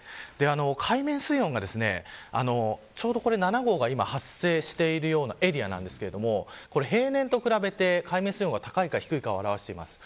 海面水温がちょうど７号が発生しているようなエリアですが平年と比べて海面水温が高いか低いかを表しています。